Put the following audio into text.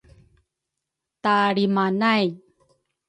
talrima nay